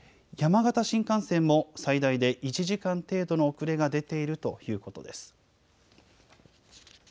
山形新幹線も最大で１時間程度の遅れが出ているということです。